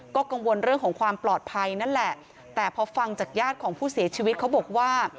ก็กังวลเรื่องของความปลอดภัยนั่นแหละแต่พอฟังจากญาติของผู้เสียชีวิตเขาบอกว่า